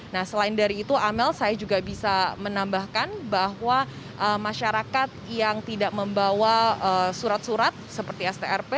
nah selain dari itu amel saya juga bisa menambahkan bahwa masyarakat yang tidak membawa surat surat seperti strp